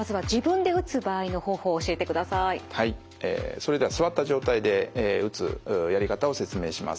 それでは座った状態で打つやり方を説明します。